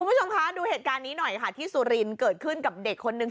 คุณผู้ชมคะดูเหตุการณ์นี้หน่อยค่ะที่สุรินทร์เกิดขึ้นกับเด็กคนนึง